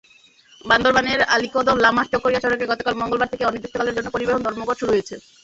বান্দরবানের আলীকদম-লামা-চকরিয়া সড়কে গতকাল মঙ্গলবার থেকে অনির্দিষ্টকালের জন্য পরিবহন ধর্মঘট শুরু হয়েছে।